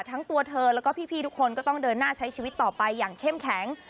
ทั้งตัวเธอแล้วก็พี่ทุกคนก็ต้องเดินหน้าใช้ชีวิตต่อไปอย่างเข้มแข็ง